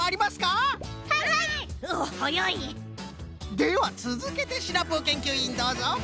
ではつづけてシナプーけんきゅういんどうぞ！